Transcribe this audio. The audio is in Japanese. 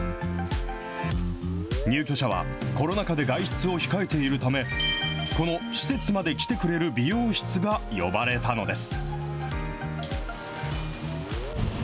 入居者は、コロナ禍で外出を控えているため、この施設まで来てくれる美容室が呼ばれたのです。